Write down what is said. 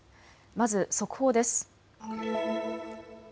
まず速報です。